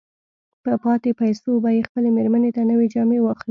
په پاتې پيسو به يې خپلې مېرمې ته نوې جامې واخلي.